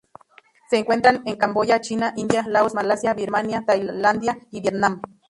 Se encuentran en Camboya, China, India, Laos, Malasia, Birmania, Tailandia y Vietnam.